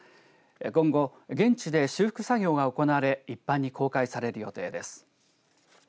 今後、現地で修復作業が行われ一般に公開される予定です。